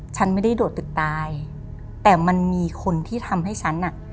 ฉันไม่ได้โดดตึกตายแต่มันมีคนที่ทำให้ฉันอ่ะ